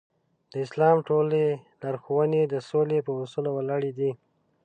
د اسلام ټولې لارښوونې د سولې په اصول ولاړې دي.